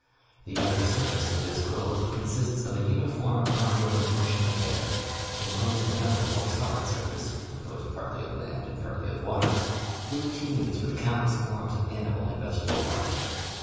The outer surface of this globe consists of a uniform, unbroken ocean of air, enclosing another more solid surface (composed partly of land and partly of water), which teems with countless forms of animal and vegetable life.